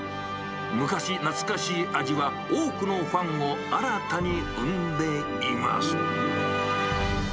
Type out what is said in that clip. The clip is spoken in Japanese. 昔懐かしい味は多くのファンを新たに生んでいます。